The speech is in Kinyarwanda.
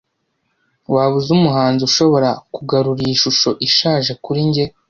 Waba uzi umuhanzi ushobora kugarura iyi shusho ishaje kuri njye?